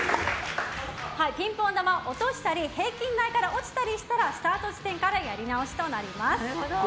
ピンポン球を落としたり平均台から落ちたりしたらスタート地点からやり直しとなります。